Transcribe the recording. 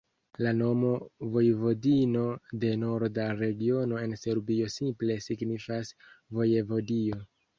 La nomo Vojvodino de norda regiono en Serbio simple signifas vojevodio.